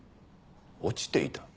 落ちていた？